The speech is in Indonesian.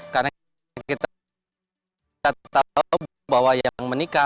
karena kita tahu bahwa yang menit